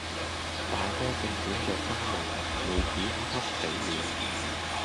大哥正管着家務，妹子恰恰死了，